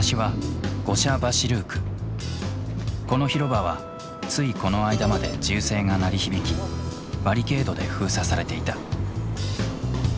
この広場はついこの間まで銃声が鳴り響きバリケードで封鎖されていた。